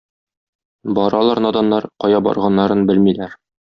Баралар наданнар, кая барганнарын белмиләр.